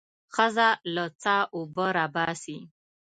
ښځه له څاه اوبه راباسي.